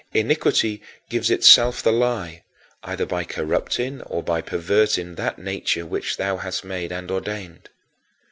Iniquity gives itself the lie, either by corrupting or by perverting that nature which thou hast made and ordained.